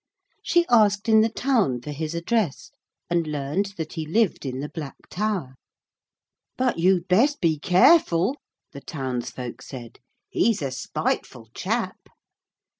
She asked in the town for his address, and learned that he lived in the Black Tower. 'But you'd best be careful,' the townsfolk said, 'he's a spiteful chap.'